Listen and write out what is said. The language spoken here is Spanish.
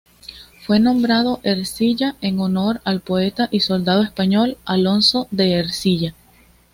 Fue nombrado Ercilla en honor al poeta y soldado español Alonso de Ercilla.